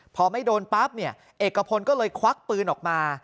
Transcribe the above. พอไม่โดนปั๊บเนี่ยเอกพลก็เลยควักปืนออกมา